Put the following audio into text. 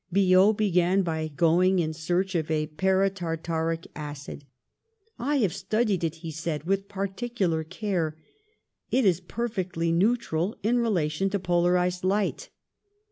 Biot began by going in search of paratartaric acid. "'I have studied it/ he said, Vith particu lar care: it is perfectly neutral in relation to polarised light.'